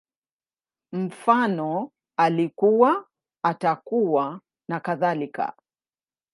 Mfano, Alikuwa, Atakuwa, nakadhalika